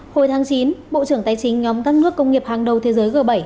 hồi tháng chín bộ trưởng tài chính nhóm các nước công nghiệp hàng đầu thế giới g bảy